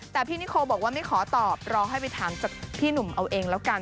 แต่พี่นิโคบอกว่าไม่ขอตอบรอให้ไปถามจากพี่หนุ่มเอาเองแล้วกัน